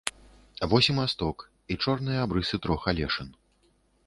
Вось і масток, і чорныя абрысы трох алешын.